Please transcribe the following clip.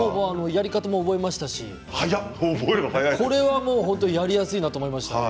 やり方も覚えましたしこれはもうやりやすいと思います。